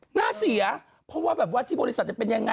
หน้าเสียเพราะว่าแบบว่าที่บริษัทจะเป็นยังไง